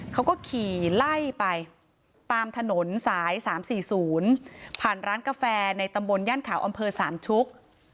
เขาก็ขี่ไล่ไปตามถนนสาย๓๔๐ผ่านร้านกาแฟในตำบลย่านขาวอำเภอสามชุก